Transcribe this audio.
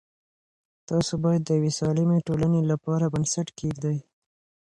تاسو باید د یوې سالمه ټولنې لپاره بنسټ کېږدئ.